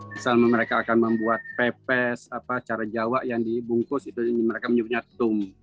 misalnya mereka akan membuat pepes cara jawa yang dibungkus itu mereka menyebutnya tum